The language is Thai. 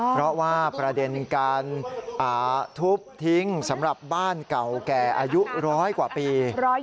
เพราะว่าประเด็นการทุบทิ้งสำหรับบ้านเก่าแก่อายุร้อยกว่าปี